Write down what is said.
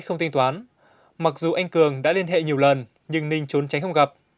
chủ hiệu cầm đồ anh cường cầm đầu để bắt giữ xử lý các đối tượng